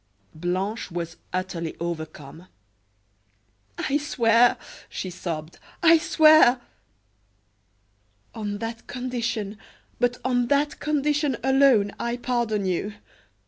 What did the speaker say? Blanche was utterly overcome. "I swear!" she sobbed, "I swear!" "On that condition, but on that condition alone, I pardon you.